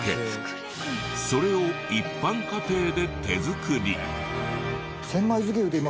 それを一般家庭で手作り。